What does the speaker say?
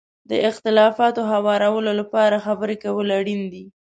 د اختلافاتو هوارولو لپاره خبرې کول اړین دي.